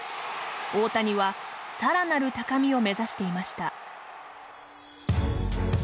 大谷はさらなる高みを目指していました。